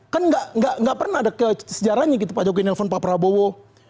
kan nggak pernah ada sejarahnya gitu pak jokowi nelfon pak prabowo